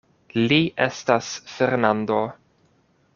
Li estas Fernando!